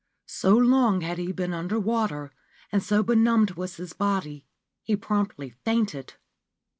So long had he been under water, and so benumbed was his body, he promptly fainted.